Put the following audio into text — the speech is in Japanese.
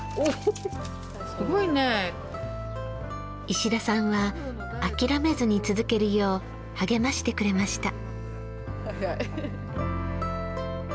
石田さんは諦めずに続けるよう励ましてくれました。